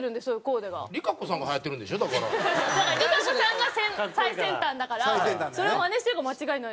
だからＲＩＫＡＣＯさんが最先端だからそれをマネしてるから間違いない。